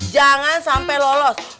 jangan sampai lolos